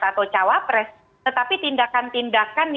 atau cawapres tetapi tindakan tindakan